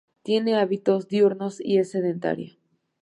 Tiene hábitos diurnos y es sedentaria.